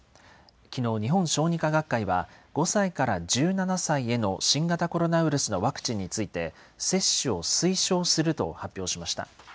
きのう、日本小児科学会は、５歳から１７歳への新型コロナウイルスのワクチンについて、接種を推奨すると発表しました。